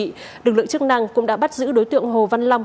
lực lượng chức năng cũng đã bắt giữ đối tượng hồ văn long